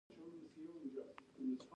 هر نسل خپل غږ راتلونکي ته رسوي.